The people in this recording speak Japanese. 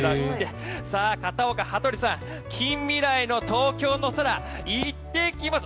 さあ、片岡羽鳥さん、近未来の東京の空行ってきます！